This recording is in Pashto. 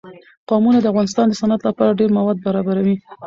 قومونه د افغانستان د صنعت لپاره ډېر مواد برابروي.